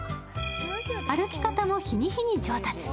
歩き方も日に日に上達。